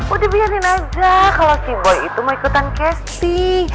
udah biarin aja kalau si boi itu mau ikutan kesi